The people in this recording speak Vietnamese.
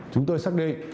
chúng tôi xác định